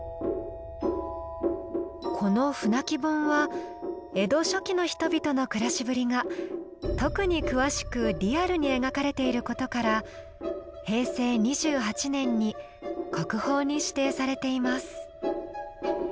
この「舟木本」は江戸初期の人々の暮らしぶりが特に詳しくリアルに描かれていることから平成２８年に国宝に指定されています。